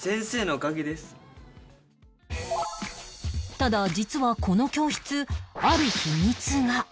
ただ実はこの教室ある秘密が